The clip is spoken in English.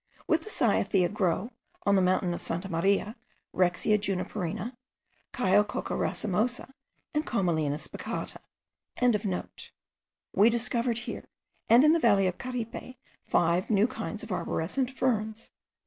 With the cyathea grow, on the mountain of Santa Maria, Rhexia juniperina, Chiococca racemosa, and Commelina spicata.) We discovered here, and in the valley of Caripe, five new kinds of arborescent ferns.